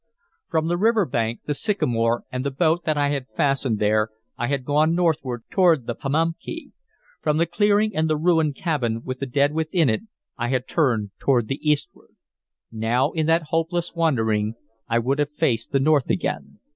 From the river bank, the sycamore, and the boat that I had fastened there, I had gone northward toward the Pamunkey; from the clearing and the ruined cabin with the dead within it, I had turned to the eastward. Now, in that hopeless wandering, I would have faced the north again.